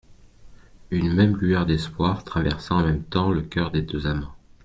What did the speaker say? Une même lueur d'espoir traversa en même temps le coeur des deux amants.